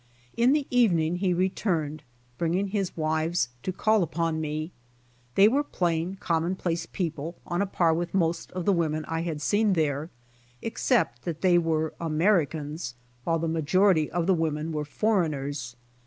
In the evening he returned bringing his wives to call upon mje. They were plain, common place peo ple on a par with most of the women I had seen there, except that they were Americans, while tlie majority of the women were foreigners.